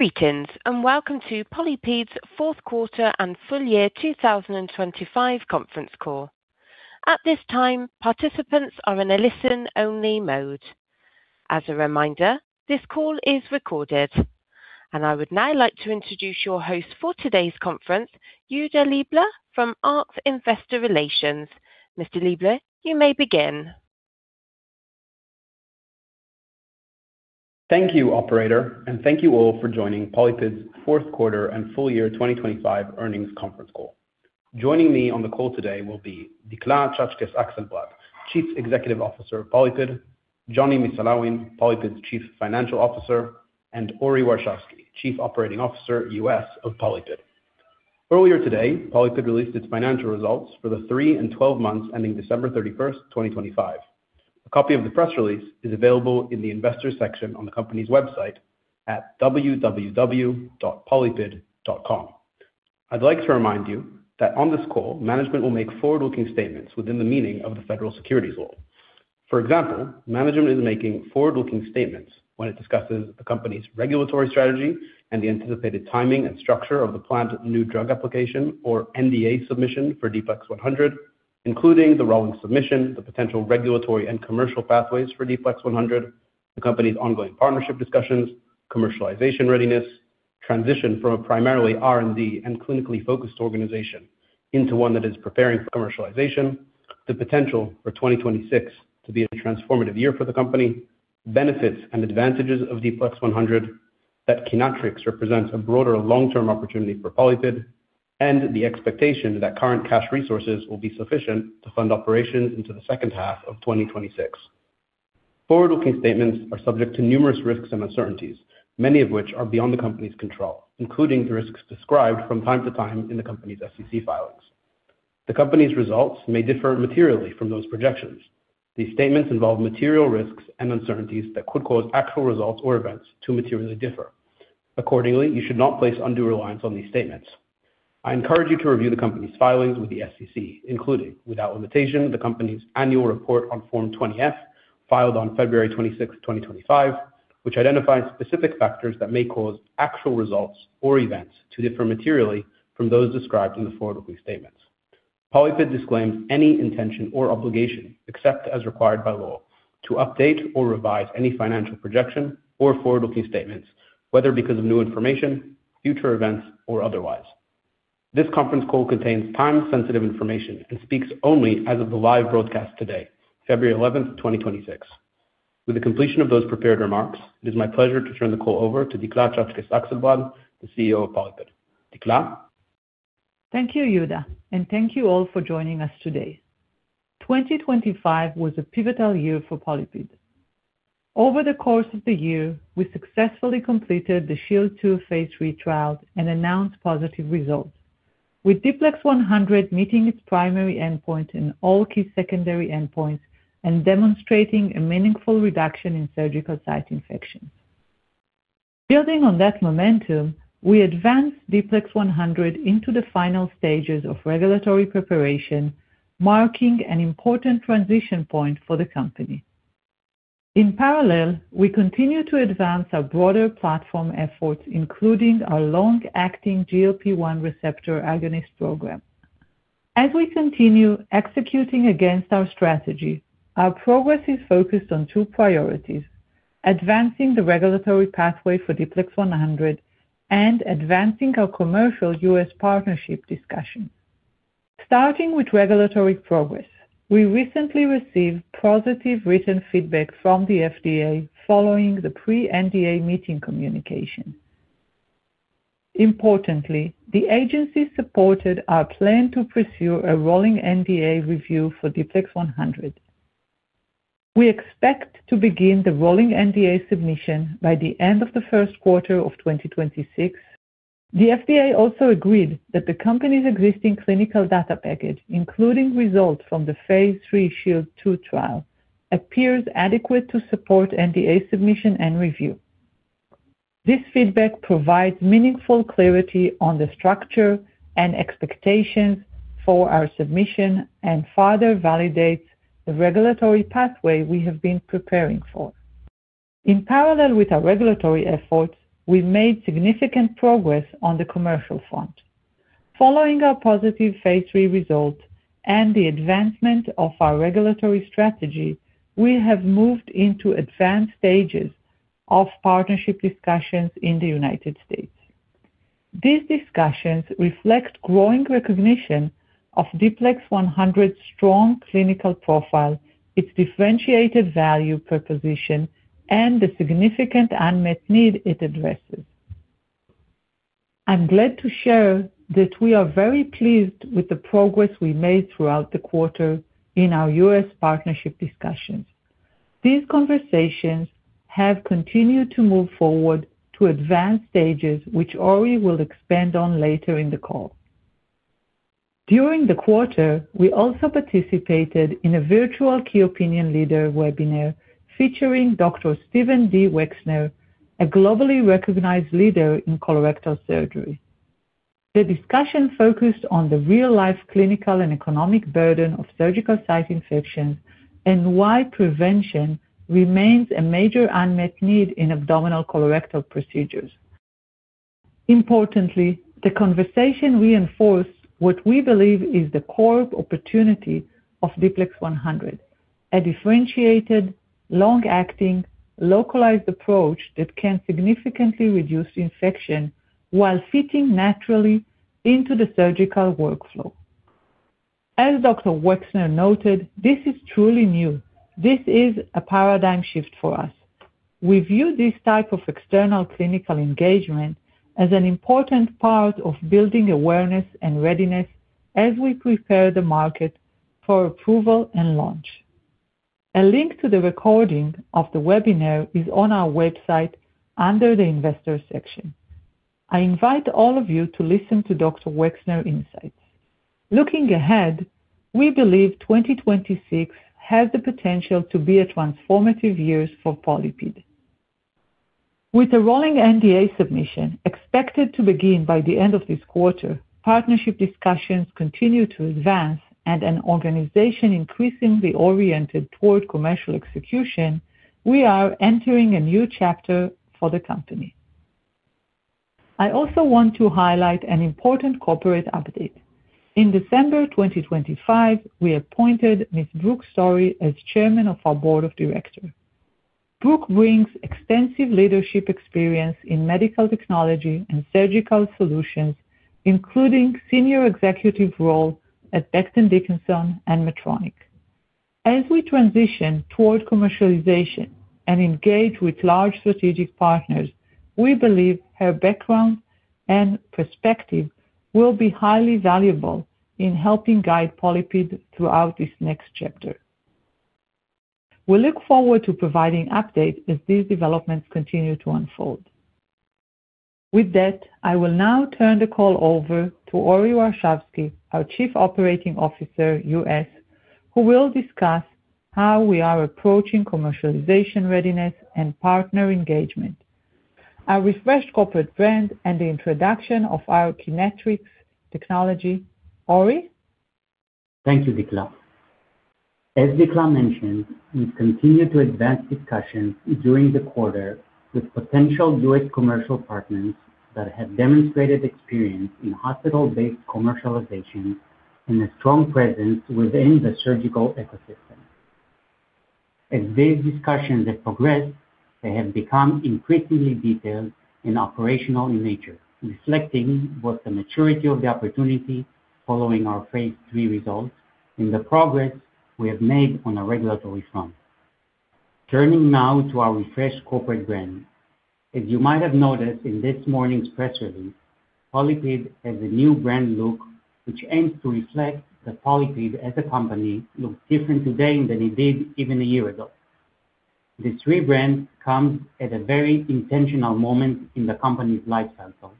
Greetings, and welcome to PolyPid's fourth quarter and full year 2025 conference call. At this time, participants are in a listen-only mode. As a reminder, this call is recorded. I would now like to introduce your host for today's conference, Yehuda Leibler, from our Investor Relations. Mr. Leibler, you may begin. Thank you, operator, and thank you all for joining PolyPid's fourth quarter and full year 2025 earnings conference call. Joining me on the call today will be Dikla Czaczkes Akselbrad, Chief Executive Officer of PolyPid, Jonny Missulawin, PolyPid's Chief Financial Officer, and Ori Warshavsky, Chief Operating Officer, U.S. of PolyPid. Earlier today, PolyPid released its financial results for the three and twelve months ending December 31, 2025. A copy of the press release is available in the investor section on the company's website at www.polypid.com. I'd like to remind you that on this call, management will make forward-looking statements within the meaning of the federal securities law. For example, management is making forward-looking statements when it discusses the company's regulatory strategy and the anticipated timing and structure of the planned new drug application or NDA submission for D-PLEX100, including the rolling submission, the potential regulatory and commercial pathways for D-PLEX100, the company's ongoing partnership discussions, commercialization readiness, transition from a primarily R&D and clinically focused organization into one that is preparing for commercialization, the potential for 2026 to be a transformative year for the company, benefits and advantages of D-PLEX100, that Kynatrix represents a broader long-term opportunity for PolyPid, and the expectation that current cash resources will be sufficient to fund operations into the second half of 2026. Forward-looking statements are subject to numerous risks and uncertainties, many of which are beyond the company's control, including the risks described from time to time in the company's SEC filings. The company's results may differ materially from those projections. These statements involve material risks and uncertainties that could cause actual results or events to materially differ. Accordingly, you should not place undue reliance on these statements. I encourage you to review the company's filings with the SEC, including, without limitation, the company's annual report on Form 20-F, filed on February 26, 2025, which identifies specific factors that may cause actual results or events to differ materially from those described in the forward-looking statements. PolyPid disclaims any intention or obligation, except as required by law, to update or revise any financial projection or forward-looking statements, whether because of new information, future events, or otherwise. This conference call contains time-sensitive information and speaks only as of the live broadcast today, February 11, 2026. With the completion of those prepared remarks, it is my pleasure to turn the call over to Dikla Czaczkes Akselbrad, the CEO of PolyPid. Dikla? Thank you, Yehuda, and thank you all for joining us today. 2025 was a pivotal year for PolyPid. Over the course of the year, we successfully completed the SHIELD II Phase III trial and announced positive results, with D-PLEX100 meeting its primary endpoint in all key secondary endpoints and demonstrating a meaningful reduction in surgical site infection. Building on that momentum, we advanced D-PLEX100 into the final stages of regulatory preparation, marking an important transition point for the company. In parallel, we continue to advance our broader platform efforts, including our long-acting GLP-1 receptor agonist program. As we continue executing against our strategy, our progress is focused on two priorities: advancing the regulatory pathway for D-PLEX100 and advancing our commercial U.S. partnership discussion. Starting with regulatory progress, we recently received positive written feedback from the FDA following the pre-NDA meeting communication. Importantly, the agency supported our plan to pursue a rolling NDA review for D-PLEX100. We expect to begin the rolling NDA submission by the end of the first quarter of 2026. The FDA also agreed that the company's existing clinical data package, including results from the phase III SHIELD II trial, appears adequate to support NDA submission and review. This feedback provides meaningful clarity on the structure and expectations for our submission and further validates the regulatory pathway we have been preparing for. In parallel with our regulatory efforts, we've made significant progress on the commercial front. Following our positive phase III result and the advancement of our regulatory strategy, we have moved into advanced stages of partnership discussions in the United States. These discussions reflect growing recognition of D-PLEX100's strong clinical profile, its differentiated value proposition, and the significant unmet need it addresses. I'm glad to share that we are very pleased with the progress we made throughout the quarter in our U.S. partnership discussions. These conversations have continued to move forward to advanced stages, which Ori will expand on later in the call. During the quarter, we also participated in a virtual key opinion leader webinar featuring Dr. Steven D. Wexner, a globally recognized leader in colorectal surgery. The discussion focused on the real-life clinical and economic burden of surgical site infections, and why prevention remains a major unmet need in abdominal colorectal procedures. Importantly, the conversation reinforced what we believe is the core opportunity of D-PLEX100, a differentiated, long-acting, localized approach that can significantly reduce infection while fitting naturally into the surgical workflow. As Dr. Wexner noted, this is truly new. This is a paradigm shift for us. We view this type of external clinical engagement as an important part of building awareness and readiness as we prepare the market for approval and launch. A link to the recording of the webinar is on our website under the investor section. I invite all of you to listen to Dr. Wexner's insights. Looking ahead, we believe 2026 has the potential to be a transformative year for PolyPid. With the rolling NDA submission expected to begin by the end of this quarter, partnership discussions continue to advance and an organization increasingly oriented toward commercial execution, we are entering a new chapter for the company. I also want to highlight an important corporate update. In December 2025, we appointed Ms. Brooke Story as chairman of our board of directors. Brooke brings extensive leadership experience in medical technology and surgical solutions, including senior executive role at Becton, Dickinson and Medtronic. As we transition toward commercialization and engage with large strategic partners, we believe her background and perspective will be highly valuable in helping guide PolyPid throughout this next chapter. We look forward to providing updates as these developments continue to unfold. With that, I will now turn the call over to Ori Warshavsky, our Chief Operating Officer, U.S., who will discuss how we are approaching commercialization readiness and partner engagement, our refreshed corporate brand, and the introduction of our Kynatrix technology. Ori? Thank you, Dikla. As Dikla mentioned, we've continued to advance discussions during the quarter with potential U.S. commercial partners that have demonstrated experience in hospital-based commercialization and a strong presence within the surgical ecosystem. As these discussions have progressed, they have become increasingly detailed and operational in nature, reflecting both the maturity of the opportunity following our phase III results and the progress we have made on a regulatory front. Turning now to our refreshed corporate brand. As you might have noticed in this morning's press release, PolyPid has a new brand look, which aims to reflect that PolyPid, as a company, looks different today than it did even a year ago. This rebrand comes at a very intentional moment in the company's life cycle,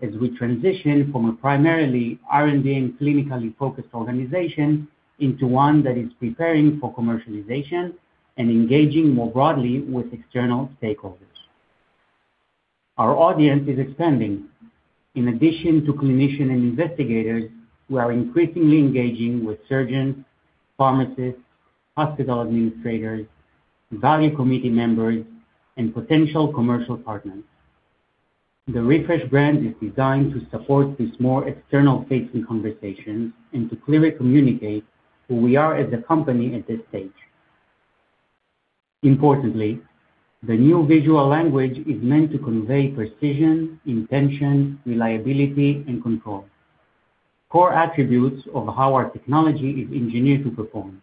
as we transition from a primarily R&D and clinically focused organization into one that is preparing for commercialization and engaging more broadly with external stakeholders. Our audience is expanding. In addition to clinicians and investigators, we are increasingly engaging with surgeons, pharmacists, hospital administrators, value committee members, and potential commercial partners. The refreshed brand is designed to support these more external-facing conversations and to clearly communicate who we are as a company at this stage. Importantly, the new visual language is meant to convey precision, intention, reliability, and control. Core attributes of how our technology is engineered to perform.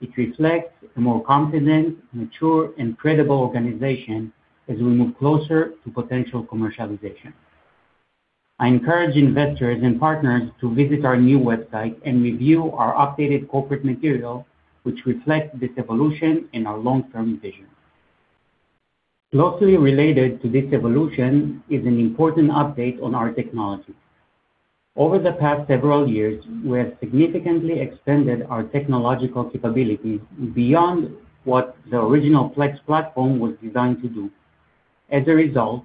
It reflects a more confident, mature, and credible organization as we move closer to potential commercialization. I encourage investors and partners to visit our new website and review our updated corporate material, which reflects this evolution and our long-term vision. Closely related to this evolution is an important update on our technology. Over the past several years, we have significantly expanded our technological capabilities beyond what the original PLEX platform was designed to do. As a result,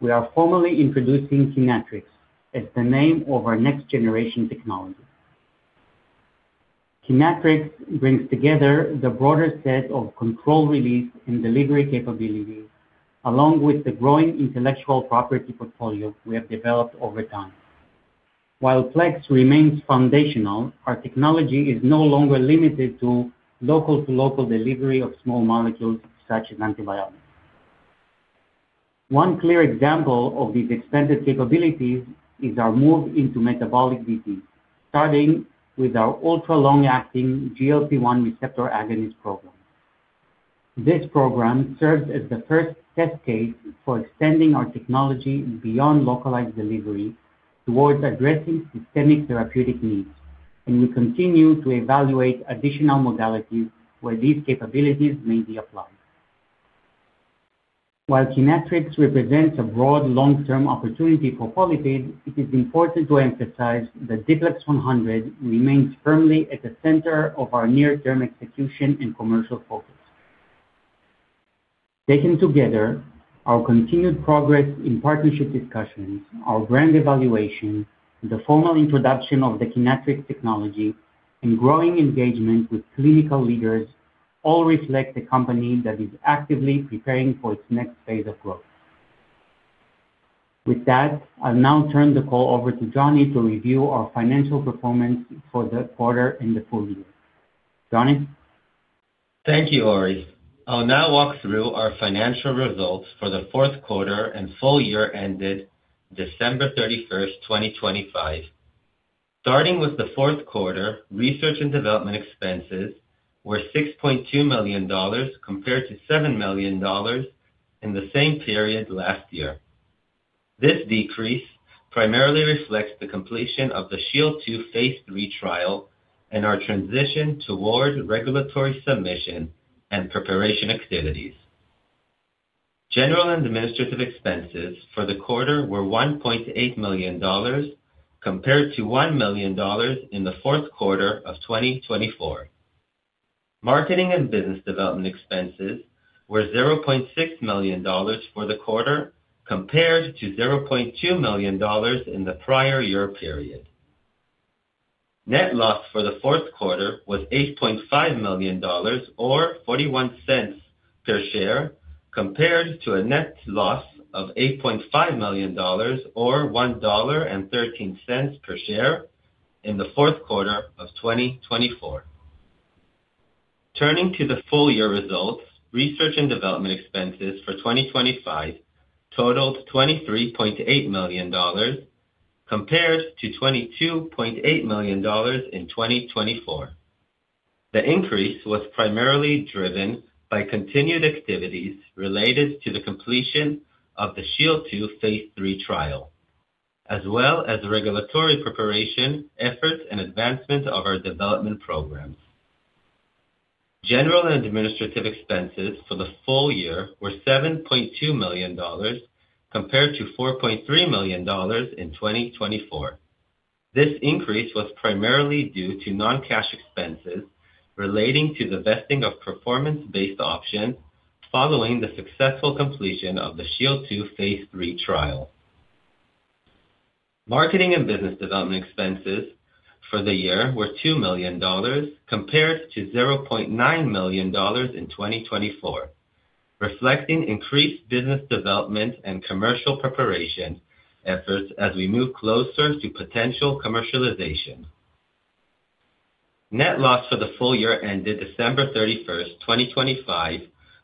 we are formally introducing Kynatrix as the name of our next generation technology. Kynatrix brings together the broader set of controlled release and delivery capabilities, along with the growing intellectual property portfolio we have developed over time. While PLEX remains foundational, our technology is no longer limited to local-to-local delivery of small molecules, such as antibiotics. One clear example of these expanded capabilities is our move into metabolic disease, starting with our ultra long-acting GLP-1 receptor agonist program. This program serves as the first test case for extending our technology beyond localized delivery towards addressing systemic therapeutic needs, and we continue to evaluate additional modalities where these capabilities may be applied. While Kynatrix represents a broad, long-term opportunity for PolyPid, it is important to emphasize that D-PLEX100 remains firmly at the center of our near-term execution and commercial focus. Taken together, our continued progress in partnership discussions, our brand evaluation, the formal introduction of the Kynatrix technology, and growing engagement with clinical leaders all reflect the company that is actively preparing for its next phase of growth. With that, I'll now turn the call over to Johnny to review our financial performance for the quarter and the full year. Johnny? Thank you, Ori. I'll now walk through our financial results for the fourth quarter and full year ended December 31, 2025. Starting with the fourth quarter, research and development expenses were $6.2 million compared to $7 million in the same period last year. This decrease primarily reflects the completion of the SHIELD II Phase III trial and our transition towards regulatory submission and preparation activities. General and administrative expenses for the quarter were $1.8 million, compared to $1 million in the fourth quarter of 2024. Marketing and business development expenses were $0.6 million for the quarter, compared to $0.2 million in the prior year period. Net loss for the fourth quarter was $8.5 million or $0.41 per share, compared to a net loss of $8.5 million or $1.13 per share in the fourth quarter of 2024. Turning to the full year results, research and development expenses for 2025 totaled $23.8 million, compared to $22.8 million in 2024. The increase was primarily driven by continued activities related to the completion of the SHIELD II phase III trial, as well as regulatory preparation efforts and advancement of our development programs. General and administrative expenses for the full year were $7.2 million, compared to $4.3 million in 2024. This increase was primarily due to non-cash expenses relating to the vesting of performance-based options following the successful completion of the SHIELD II Phase III trial. Marketing and business development expenses for the year were $2 million, compared to $0.9 million in 2024, reflecting increased business development and commercial preparation efforts as we move closer to potential commercialization. Net loss for the full year ended December 31, 2025,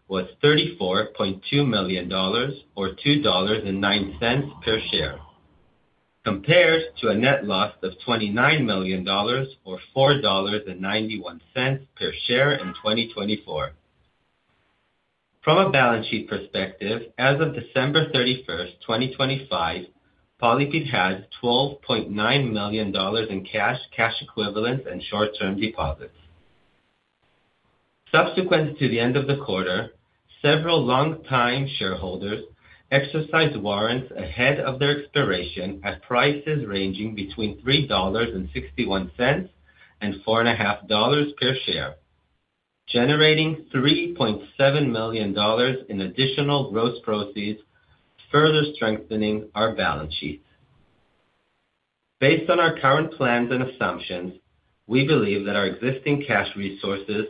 was $34.2 million, or $2.09 per share, compared to a net loss of $29 million, or $4.91 per share in 2024. From a balance sheet perspective, as of December 31, 2025, PolyPid has $12.9 million in cash, cash equivalents and short-term deposits. Subsequent to the end of the quarter, several longtime shareholders exercised warrants ahead of their expiration at prices ranging between $3.61 and $4.50 per share, generating $3.7 million in additional gross proceeds, further strengthening our balance sheet. Based on our current plans and assumptions, we believe that our existing cash resources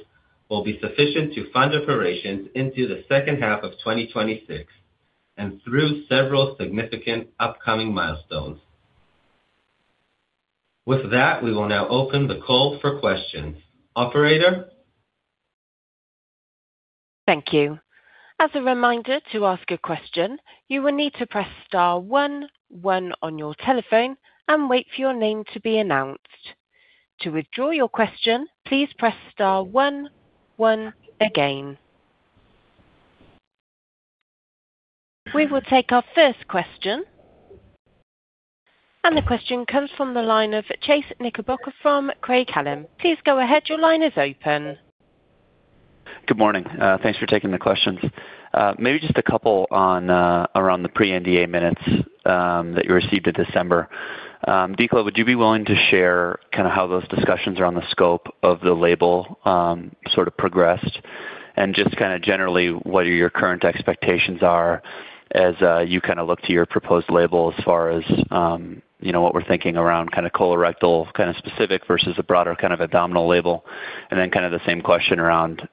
will be sufficient to fund operations into the second half of 2026 and through several significant upcoming milestones. With that, we will now open the call for questions. Operator? Thank you. As a reminder to ask a question, you will need to press star one one on your telephone and wait for your name to be announced. To withdraw your question, please press star one one again. We will take our first question. The question comes from the line of Chase Knickerbocker from Craig-Hallum. Please go ahead. Your line is open. Good morning. Thanks for taking the questions. Maybe just a couple on around the pre-NDA minutes that you received in December. Dikla, would you be willing to share kind of how those discussions around the scope of the label sort of progressed? And just kind of generally, what are your current expectations are as you kind of look to your proposed label as far as you know, what we're thinking around kind of colorectal kind of specific versus a broader kind of abdominal label? And then kind of the same question around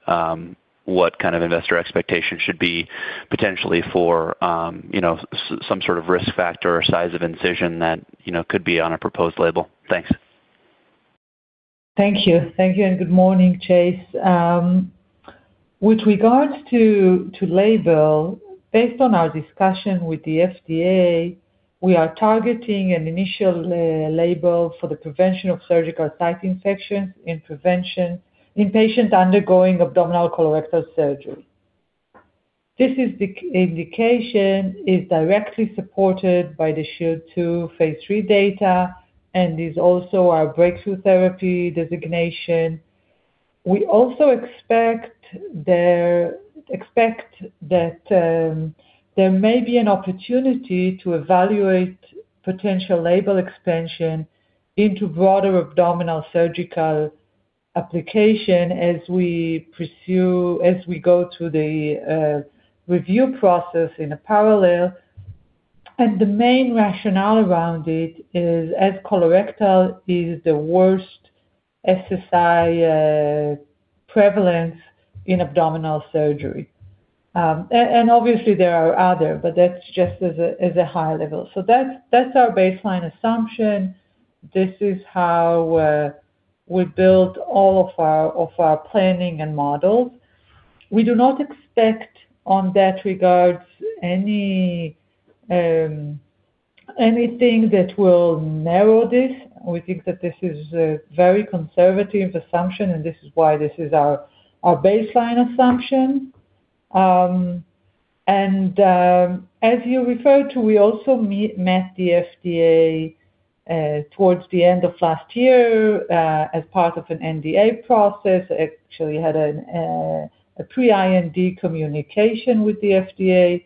what kind of investor expectation should be potentially for you know, some sort of risk factor or size of incision that you know, could be on a proposed label? Thanks. Thank you. Thank you, and good morning, Chase. With regards to label, based on our discussion with the FDA, we are targeting an initial label for the prevention of surgical site infections and prevention in patients undergoing abdominal colorectal surgery. This is the indication is directly supported by the Shield2 Phase III data and is also our breakthrough therapy designation. We also expect that there may be an opportunity to evaluate potential label expansion into broader abdominal surgical application as we pursue, as we go through the review process in a parallel. And the main rationale around it is, as colorectal is the worst SSI prevalence in abdominal surgery. And obviously there are other, but that's just as a high level. So that's our baseline assumption. This is how we build all of our planning and models. We do not expect on that regards anything that will narrow this. We think that this is a very conservative assumption, and this is why this is our baseline assumption. And as you referred to, we also met the FDA towards the end of last year as part of an NDA process. Actually, had a pre-IND communication with the FDA,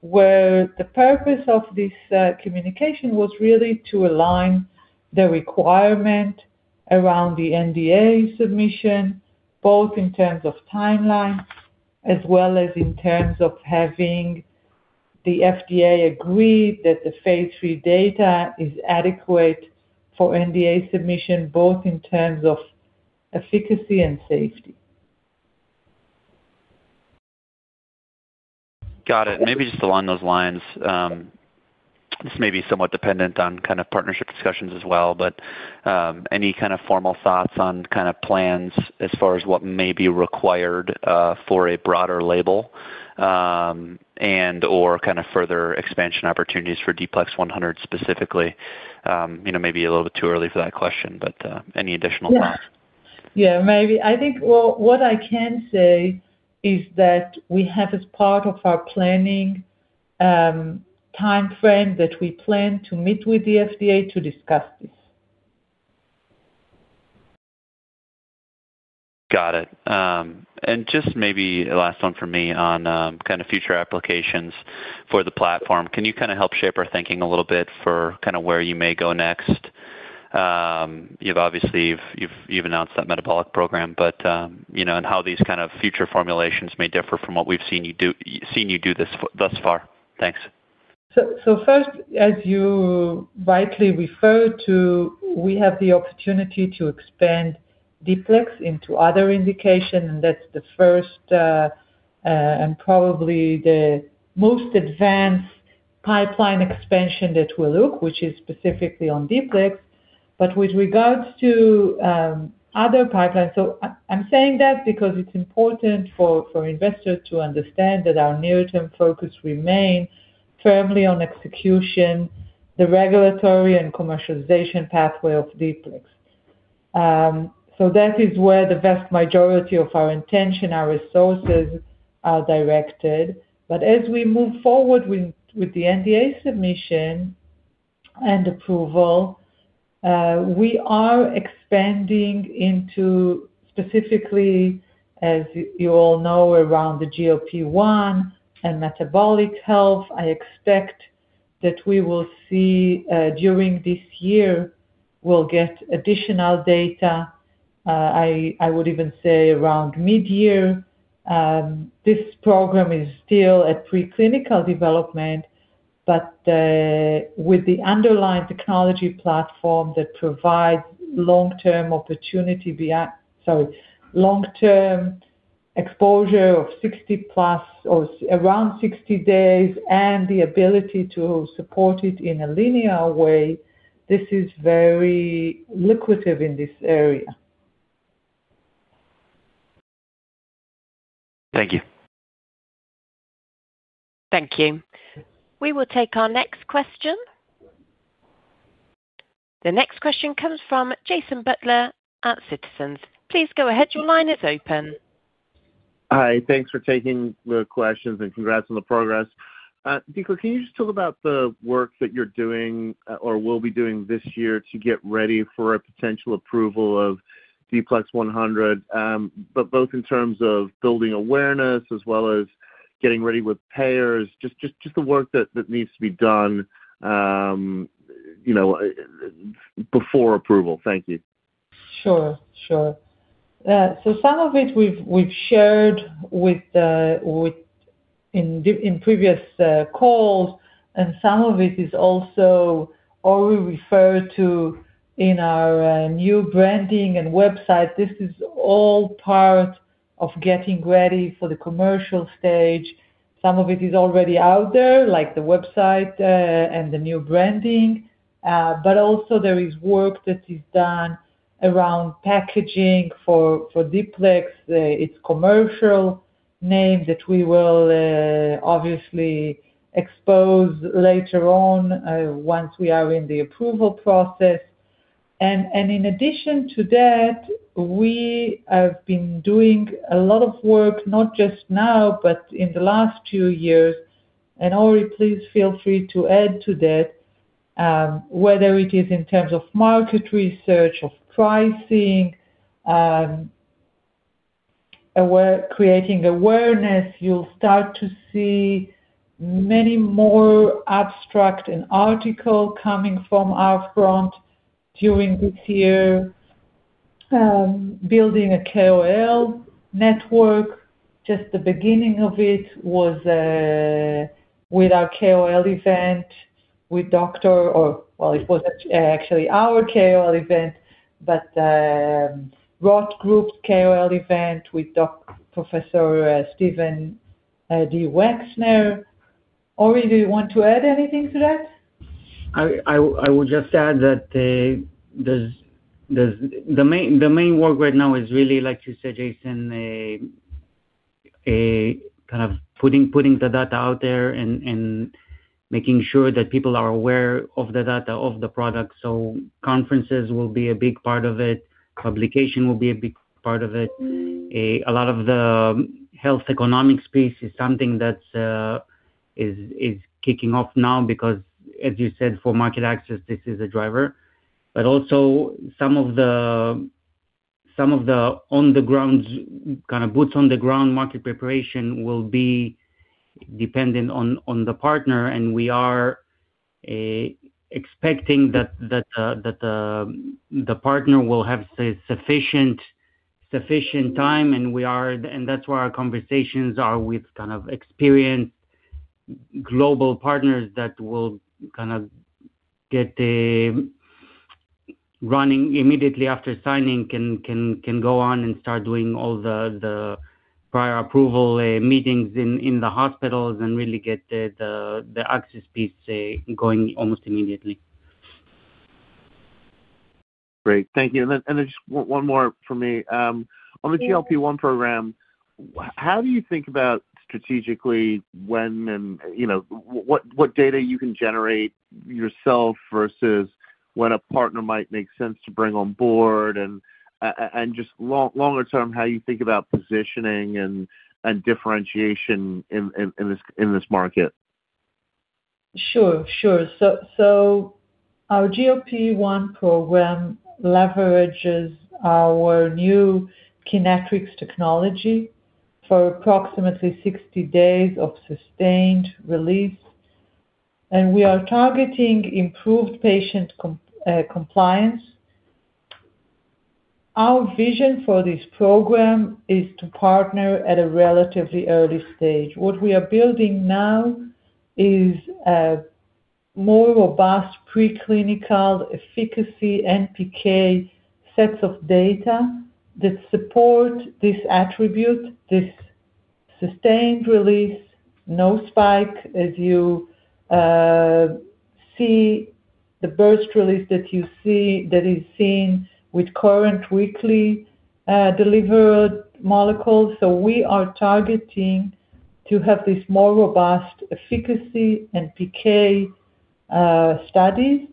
where the purpose of this communication was really to align the requirement around the NDA submission, both in terms of timelines as well as in terms of having the FDA agree that the phase III data is adequate for NDA submission, both in terms of efficacy and safety. Got it. Maybe just along those lines, this may be somewhat dependent on kind of partnership discussions as well, but, any kind of formal thoughts on kind of plans as far as what may be required, for a broader label, and/or kind of further expansion opportunities for D-PLEX100 specifically? You know, maybe a little bit too early for that question, but, any additional thoughts? Yeah. Yeah, maybe. I think, well, what I can say is that we have, as part of our planning, timeframe, that we plan to meet with the FDA to discuss this. Got it. And just maybe a last one for me on kind of future applications for the platform. Can you kind of help shape our thinking a little bit for kind of where you may go next? You've obviously announced that metabolic program, but you know, and how these kind of future formulations may differ from what we've seen you do this thus far. Thanks. So first, as you rightly referred to, we have the opportunity to expand D-PLEX100 into other indications, and that's the first, and probably the most advanced pipeline expansion that we'll look, which is specifically on D-PLEX100. But with regards to other pipelines. So I, I'm saying that because it's important for investors to understand that our near-term focus remains firmly on execution, the regulatory and commercialization pathway of D-PLEX100. So that is where the vast majority of our intention, our resources are directed. But as we move forward with the NDA submission and approval, we are expanding into specifically, as you all know, around the GLP-1 and metabolic health. I expect that we will see during this year, we'll get additional data, I would even say around midyear. This program is still at preclinical development, but with the underlying technology platform that provides long-term opportunity via long-term exposure of 60+ or around 60 days, and the ability to support it in a linear way, this is very lucrative in this area. Thank you. Thank you. We will take our next question. The next question comes from Jason Butler at Citizens. Please go ahead. Your line is open. Hi, thanks for taking the questions and congrats on the progress. Dikla, can you just talk about the work that you're doing or will be doing this year to get ready for a potential approval of D-PLEX100? But both in terms of building awareness as well as getting ready with payers, just the work that needs to be done, you know, before approval. Thank you. Sure, sure. So some of it we've shared with—in previous calls, and some of it is also, or we refer to in our new branding and website. This is all part of getting ready for the commercial stage. Some of it is already out there, like the website and the new branding, but also there is work that is done around packaging for D-PLEX100, its commercial name, that we will obviously expose later on, once we are in the approval process. And in addition to that, we have been doing a lot of work, not just now, but in the last two years. And Ori, please feel free to add to that, whether it is in terms of market research, of pricing, awareness, creating awareness. You'll start to see many more abstracts and articles coming from our front during this year. Building a KOL network, just the beginning of it was with our KOL event, with Doctor or, well, it was actually our KOL event, but, Roth Group's KOL event with Doc, Professor, Steven D. Wexner. Ori, do you want to add anything to that? I would just add that, the main work right now is really, like you said, Jason, a kind of putting the data out there and making sure that people are aware of the data, of the product. So conferences will be a big part of it, publication will be a big part of it. A lot of the health economic space is something that is kicking off now, because as you said, for market access, this is a driver. But also some of the on-the-ground, kind of boots-on-the-ground market preparation will be dependent on the partner, and we are expecting that the partner will have sufficient time, and that's where our conversations are with kind of experienced global partners that will kind of get up and running immediately after signing, can go on and start doing all the prior approval meetings in the hospitals and really get the access piece going almost immediately. Great. Thank you. And then, and just one more from me. On the GLP-1 program, how do you think about strategically when and, you know, what, what data you can generate yourself versus when a partner might make sense to bring on board? And, just long, longer term, how you think about positioning and, and differentiation in, in, in this, in this market? Sure, sure. So, so our GLP-1 program leverages our new Kynatrix technology for approximately 60 days of sustained release, and we are targeting improved patient compliance. Our vision for this program is to partner at a relatively early stage. What we are building now is a more robust preclinical efficacy and PK sets of data that support this attribute, this sustained release, no spike, as you see the burst release that you see- that is seen with current weekly delivered molecules. So we are targeting to have this more robust efficacy and PK studies.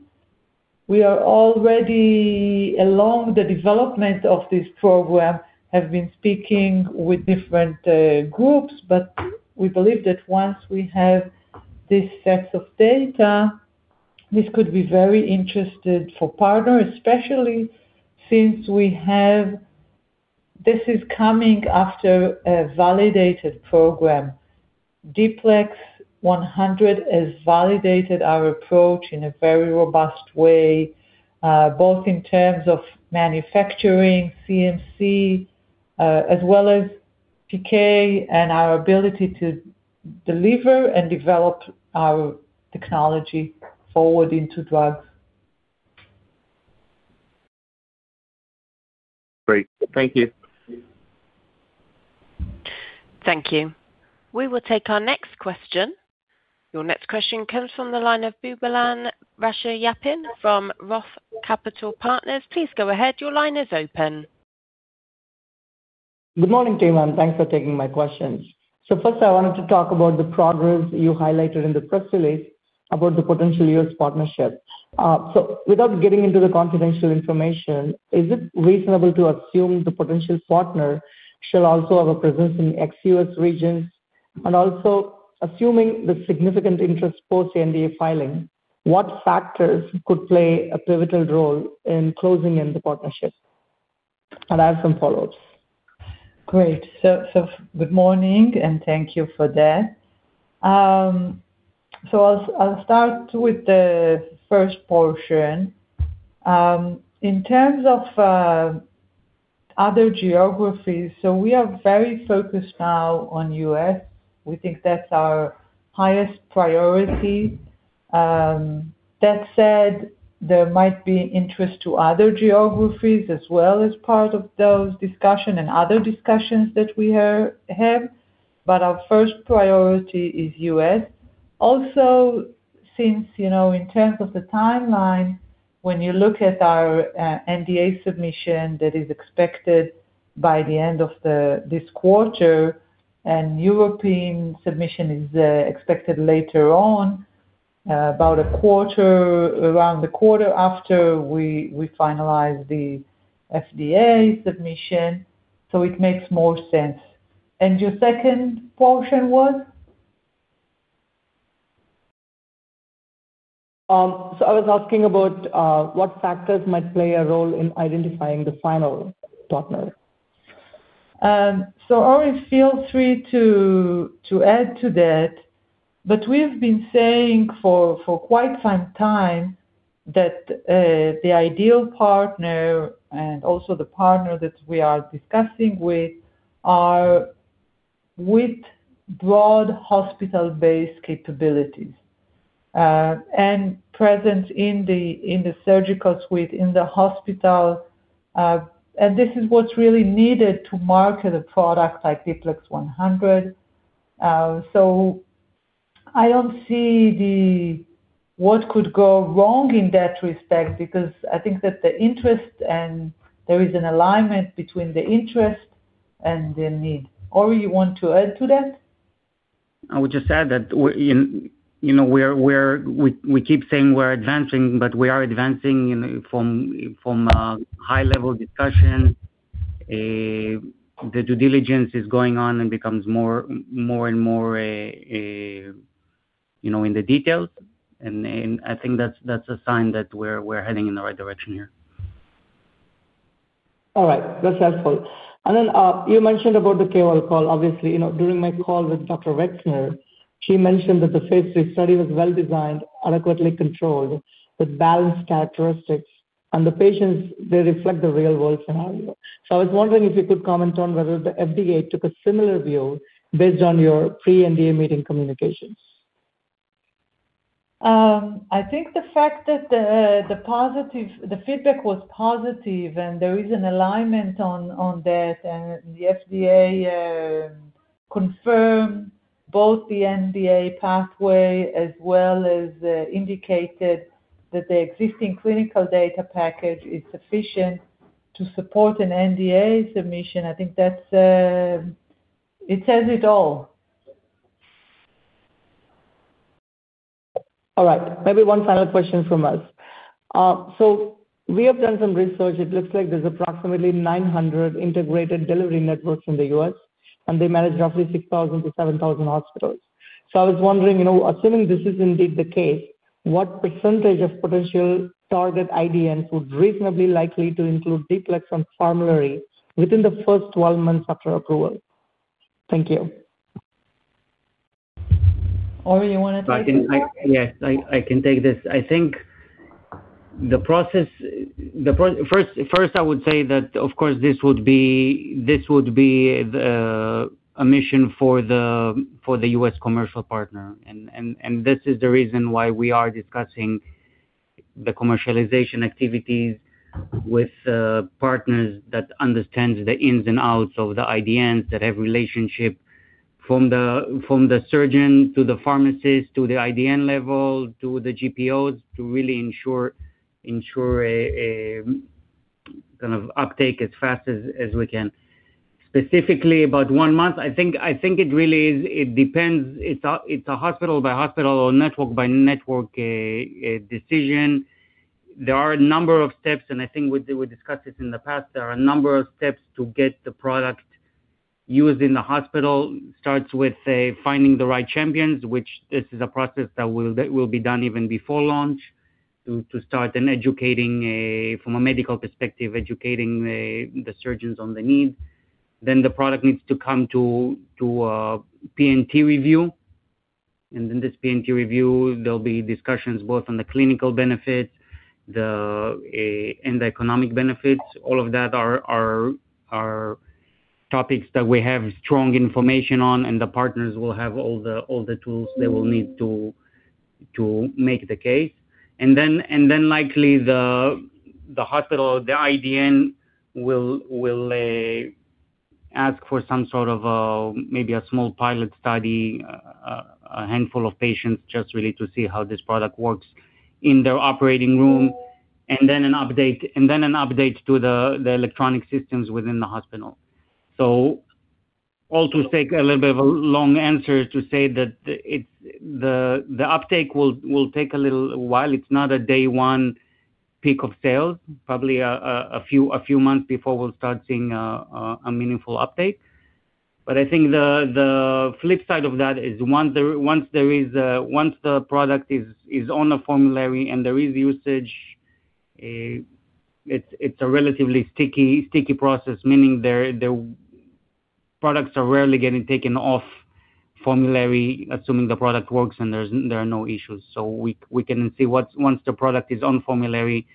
We are already along the development of this program, have been speaking with different groups, but we believe that once we have these sets of data, this could be very interesting for partner, especially since we have... This is coming after a validated program. D-PLEX100 has validated our approach in a very robust way, both in terms of manufacturing, CMC, as well as PK, and our ability to deliver and develop our technology forward into drugs. Great. Thank you. Thank you. We will take our next question. Your next question comes from the line of Boobalan Pachaiyappan from Roth Capital Partners. Please go ahead. Your line is open. Good morning, team, and thanks for taking my questions. So first, I wanted to talk about the progress you highlighted in the press release about the potential U.S. partnership. So without getting into the confidential information, is it reasonable to assume the potential partner shall also have a presence in ex-U.S. regions? And also, assuming the significant interest post NDA filing, what factors could play a pivotal role in closing in the partnership? And I have some follows. Great. So good morning, and thank you for that. So I'll start with the first portion. In terms of other geographies, so we are very focused now on U.S. We think that's our highest priority. That said, there might be interest to other geographies as well as part of those discussion and other discussions that we have, but our first priority is U.S. Also, since, you know, in terms of the timeline, when you look at our NDA submission, that is expected by the end of this quarter, and European submission is expected later on, about a quarter, around the quarter after we finalize the FDA submission, so it makes more sense. And your second portion was? ... so I was asking about, what factors might play a role in identifying the final partner? So Ori, feel free to add to that. But we have been saying for quite some time that the ideal partner and also the partner that we are discussing with are with broad hospital-based capabilities and presence in the surgical suite in the hospital. And this is what's really needed to market a product like D-PLEX 100. So I don't see what could go wrong in that respect, because I think that the interest and there is an alignment between the interest and the need. Ori, you want to add to that? I would just add that we you know we're advancing, but we are advancing, you know, from high-level discussions. The due diligence is going on and becomes more and more you know in the details, and I think that's a sign that we're heading in the right direction here. All right. That's helpful. And then, you mentioned about the KOL call. Obviously, you know, during my call with Dr. Wexner, she mentioned that the phase III study was well-designed, adequately controlled, with balanced characteristics, and the patients, they reflect the real-world scenario. So I was wondering if you could comment on whether the FDA took a similar view based on your pre-NDA meeting communications. I think the fact that the positive feedback was positive and there is an alignment on that, and the FDA confirmed both the NDA pathway, as well as indicated that the existing clinical data package is sufficient to support an NDA submission. I think that's... It says it all. All right. Maybe one final question from us. So we have done some research. It looks like there's approximately 900 integrated delivery networks in the U.S., and they manage roughly 6,000-7,000 hospitals. So I was wondering, you know, assuming this is indeed the case, what percentage of potential target IDNs would reasonably likely to include D-PLEX on formulary within the first 12 months after approval? Thank you. Ori, you want to take this one? I can— Yes, I can take this. I think the process. First, I would say that, of course, this would be a mission for the U.S. commercial partner. And this is the reason why we are discussing the commercialization activities with partners that understands the ins and outs of the IDNs, that have relationship from the surgeon to the pharmacist, to the IDN level, to the GPOs, to really ensure a kind of uptake as fast as we can. Specifically, about one month, I think it really is— it depends. It's a hospital by hospital or network by network, a decision. There are a number of steps, and I think we discussed this in the past. There are a number of steps to get the product used in the hospital. Starts with, say, finding the right champions, which is a process that will be done even before launch, to start from a medical perspective, educating the surgeons on the need. Then the product needs to come to P&T review. And in this P&T review, there'll be discussions both on the clinical benefits and the economic benefits. All of that are topics that we have strong information on, and the partners will have all the tools they will need to make the case. Then likely the hospital, the IDN will ask for some sort of a, maybe a small pilot study, a handful of patients, just really to see how this product works in their operating room, and then an update to the electronic systems within the hospital. So all to take a little bit of a long answer to say that the, it's... The uptake will take a little while. It's not a day one peak of sales. Probably a few months before we'll start seeing a meaningful update. But I think the flip side of that is once the product is on the formulary and there is usage, it's a relatively sticky process, meaning the products are rarely getting taken off formulary, assuming the product works and there are no issues. So we can see, once the product is on formulary,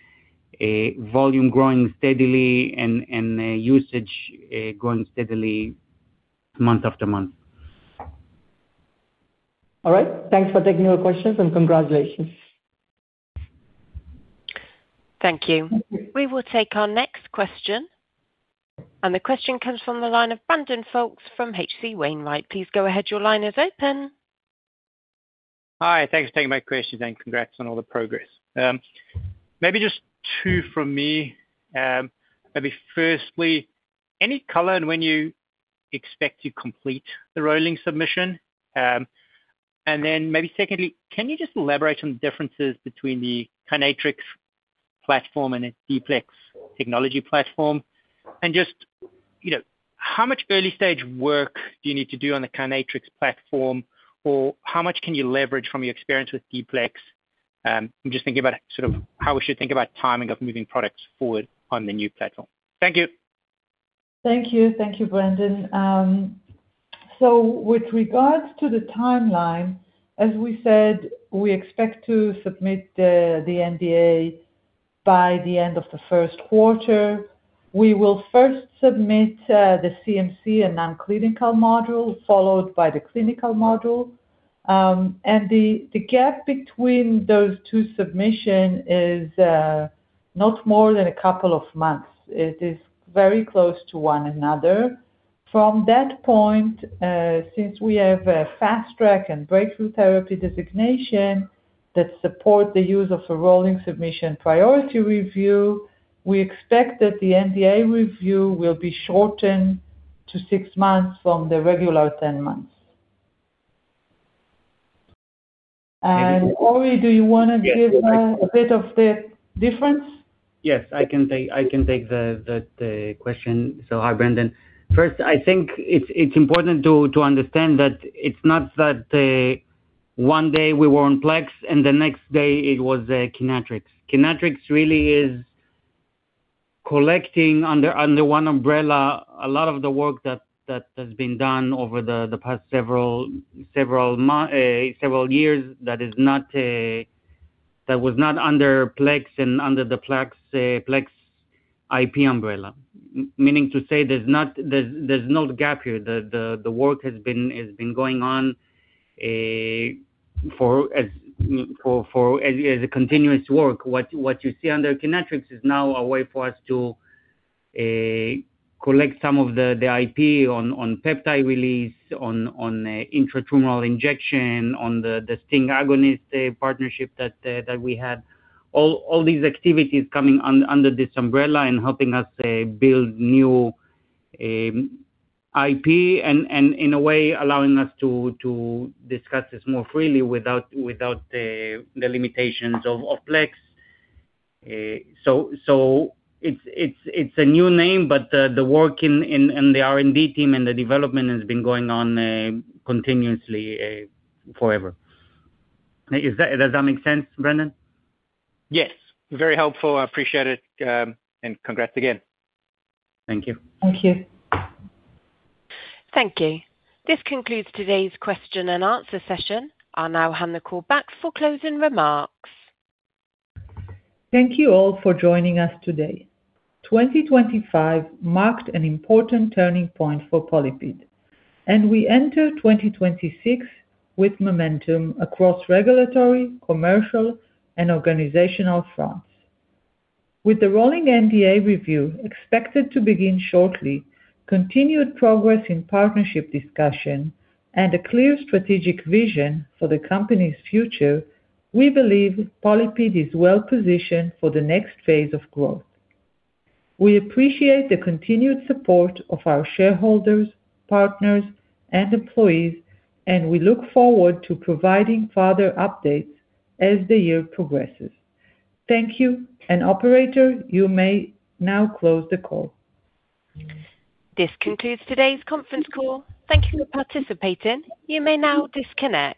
volume growing steadily and usage growing steadily month after month. All right. Thanks for taking your questions, and congratulations. Thank you. Thank you. We will take our next question, and the question comes from the line of Brandon Folkes from H.C. Wainwright. Please go ahead. Your line is open. Hi, thanks for taking my question, and congrats on all the progress. Maybe just two from me. Maybe firstly, any color on when you expect to complete the rolling submission? And then maybe secondly, can you just elaborate on the differences between the Kynatrix platform and its D-PLEX technology platform. And just, you know, how much early stage work do you need to do on the Kynatrix platform, or how much can you leverage from your experience with D-PLEX? I'm just thinking about sort of how we should think about timing of moving products forward on the new platform. Thank you. Thank you. Thank you, Brandon. So with regards to the timeline, as we said, we expect to submit the NDA by the end of the first quarter. We will first submit the CMC and non-clinical module, followed by the clinical module. And the gap between those two submission is not more than a couple of months. It is very close to one another. From that point, since we have a Fast Track and Breakthrough Therapy Designation that support the use of a Rolling Submission Priority Review, we expect that the NDA review will be shortened to 6 months from the regular 10 months. And Ori, do you wanna give a bit of the difference? Yes, I can take the question. So hi, Brandon. First, I think it's important to understand that it's not that one day we were on Plex, and the next day it was Kynatrix. Kynatrix really is collecting under one umbrella a lot of the work that has been done over the past several years, that is not, that was not under Plex and under the Plex IP umbrella. Meaning to say, there's no gap here. The work has been going on for as a continuous work. What you see under Kynatrix is now a way for us to collect some of the IP on peptide release, on intratumoral injection, on the STING agonist partnership that we had. All these activities coming under this umbrella and helping us build new IP, and in a way allowing us to discuss this more freely without the limitations of PLEX. So it's a new name, but the work in and the R&D team, and the development has been going on continuously forever. Is that... Does that make sense, Brandon? Yes, very helpful. I appreciate it, and congrats again. Thank you. Thank you. Thank you. This concludes today's question and answer session. I'll now hand the call back for closing remarks. Thank you all for joining us today. 2025 marked an important turning point for PolyPid, and we enter 2026 with momentum across regulatory, commercial, and organizational fronts. With the rolling NDA review expected to begin shortly, continued progress in partnership discussion, and a clear strategic vision for the company's future, we believe PolyPid is well positioned for the next phase of growth. We appreciate the continued support of our shareholders, partners, and employees, and we look forward to providing further updates as the year progresses. Thank you, and operator, you may now close the call. This concludes today's conference call. Thank you for participating. You may now disconnect.